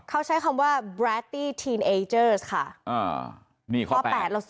เป็นข้อไหนไอ้หรือข้อแปดป่ะ